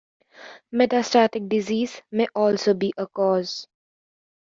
Metastatic disease may also be a cause.